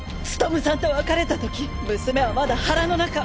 武さんと別れた時娘はまだ腹の中！